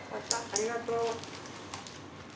ありがとう。